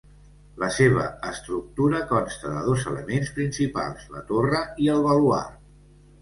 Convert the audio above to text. La seva estructura consta de dos elements principals: la torre i el baluard.